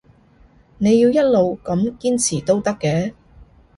你要一路咁堅持都得嘅